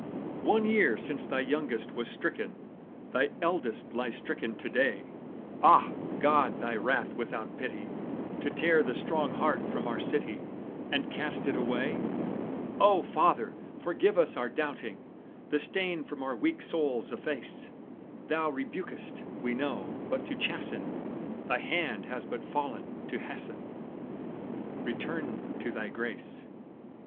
One year since thy youngest was stricken: Thy eldest lies stricken to day. Ah! God, was Thy wrath without pity, To tear the strong heart from our city, And cast it away? O Father! forgive us our doubting; The stain from our weak souls efface; Thou rebukest, we know, but to chasten, Thy hand has but fallen to hasten Return to Thy grace.